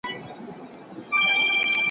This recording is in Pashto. کارګرانو د سهار راهیسې کار کاوه.